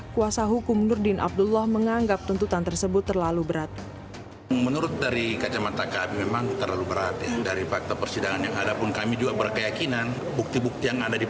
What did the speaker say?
kuasa hukum nurdin abdullah menganggap tuntutan tersebut terlalu berat